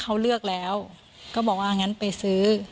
เขาเลือกแล้วก็บอกว่างั้นไปซื้อ